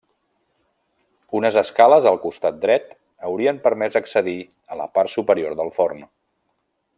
Unes escales al costat dret, haurien permès accedir a la part superior del forn.